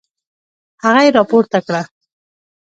هغه يې راپورته کړه.